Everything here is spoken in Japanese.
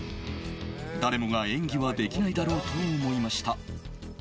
誰もが演技はできないだろうと思いました。